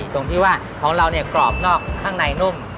ตรงที่ว่าของเราเนี่ยกรอบนอกข้างในนุ่ม